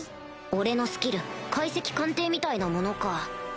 俺のスキル解析鑑定みたいなものか。